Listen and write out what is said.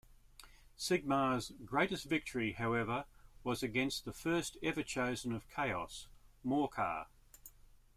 Sigmar's greatest victory however was against the first Everchosen of Chaos, Morkar.